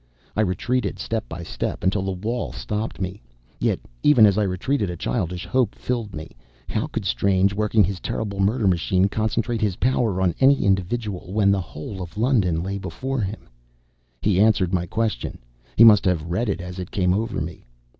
I retreated, step by step, until the wall stopped me. Yet even as I retreated, a childish hope filled me. How could Strange, working his terrible murder machine, concentrate his power on any individual, when the whole of London lay before him? He answered my question. He must have read it as it came over me.